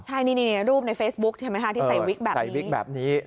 ใช่นี่รูปในเฟสบุ๊คใช่ไหมฮะที่ใส่วิกแบบนี้